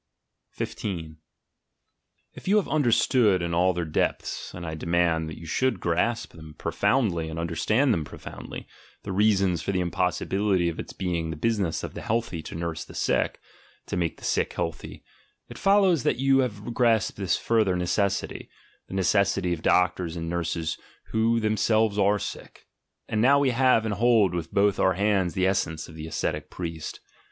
IS If you have understood in all their depths — and I demand that you should grasp them profoundly and understand them profoundly — the reasons for the impos sibility of its being the business of the healthy to nurse the sick, to make the sick healthy, it follows that you have grasped this further necessity — the necessity of doc tors and nurses who themselves are sick. And now we have and hold with both our hands the essence of the ascetic priest.